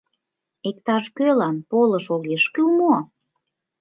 Иктаж-кӧлан полыш огеш кӱл мо?